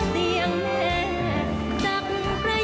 ทานงงคงไม่เสีย